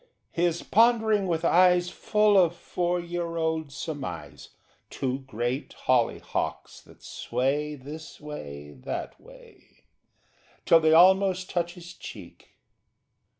He is pondering with eyes Full of four year old surmise Two great hollyhocks that sway This way, that way, Till they almost touch his cheek.